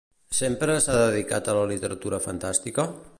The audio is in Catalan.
Sempre s'ha dedicat a la literatura fantàstica?